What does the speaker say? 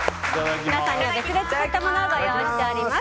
皆さんには別で作ったものをご用意しております。